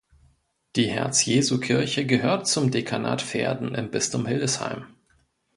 Die Herz-Jesu-Kirche gehört zum Dekanat Verden im Bistum Hildesheim.